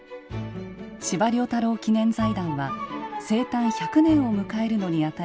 司馬太郎記念財団は生誕１００年を迎えるのにあたり